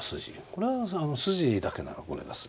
これは筋だけならこれです。